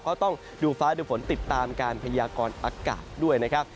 เพราะต้องดูฟ้าดูฝนติดตามการพยากรอากาศด้วยนะครับ